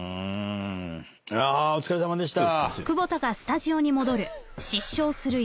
お疲れさまでした。